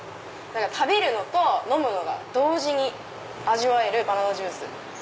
食べるのと飲むのが同時に味わえるバナナジュース。